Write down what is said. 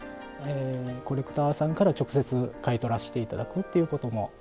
コレクターさんから直接買い取らせて頂くっていうこともありますね。